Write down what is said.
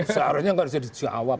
seharusnya gak harus jadi si awap